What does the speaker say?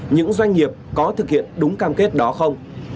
những doanh nghiệp có thực hiện đúng cam kết đó không